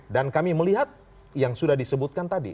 dan kami melihat yang sudah disebutkan tadi